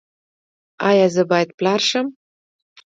ایا زه باید پلار شم؟